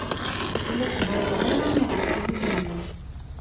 Ur la ttḍurruɣ ara iɣersiwen-nwent.